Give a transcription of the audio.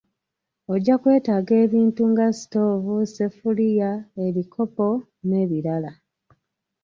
Ojja kwetaaga ebintu nga sitoovu, seffuluya, ebikopo n'ebirala.